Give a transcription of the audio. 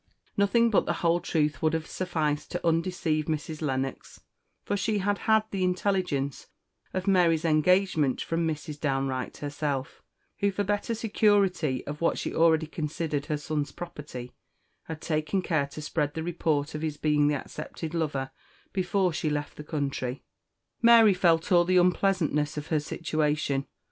Nothing but the whole truth would have sufficed to undeceive Mrs. Lennox, for she had had the intelligence of Mary's engagement from Mrs. Downe Wright herself, who, for better security of what she already considered her son's property, had taken care to spread the report of his being the accepted lover before she left the country. Mary felt all the unpleasantness of her situation.